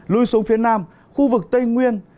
lui xuống phía nam khu vực tây nguyên